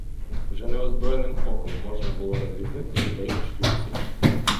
Вже неозброєним оком можна було розрізнити людей у шлюпці.